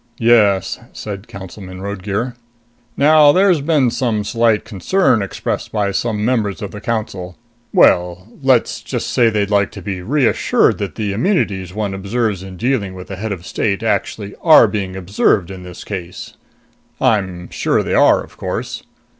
"Yes," said Councilman Roadgear. "Now there's been some slight concern expressed by some members of the Council well, let's say they'd just like to be reassured that the amenities one observes in dealing with a head of state actually are being observed in this case. I'm sure they are, of course."